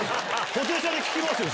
布袋さんに聞きますよ